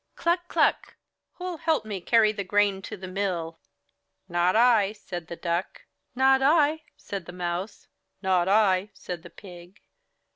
Cluck! Cluck! Who'll help me carry the grain to the mill?" "Not I," said the Duck. "Not I," said the Mouse. "Not I," said the Pig.